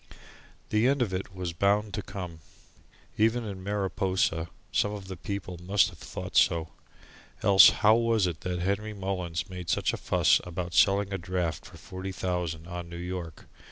The end of it was bound to come. Even in Mariposa some of the people must have thought so. Else how was it that Henry Mullins made such a fuss about selling a draft for forty thousand on New York?